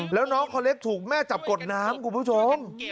แล้วน้องคนเล็กถูกแม่จับกดน้ำคุณผู้ชม